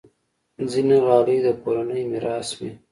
ځینې غالۍ د کورنۍ میراث وي.